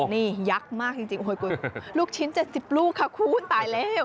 นี่ยักษ์มากจริงคุณลูกชิ้น๗๐ลูกค่ะคุณตายแล้ว